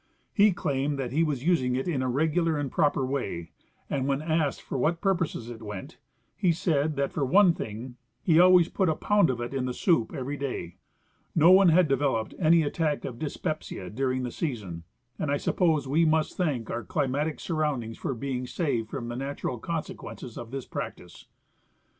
He claimed that he was using it in a regular and proper Avay, and when asked for Avhat purposes it Avent, he said that, for one thing, he ahvays put a pound of it in the soup every day. No one had developed any attack of dyspepsia during the season, and I suppose Ave must thank our climatic surroundings for being saved from the natural consequences of this practice.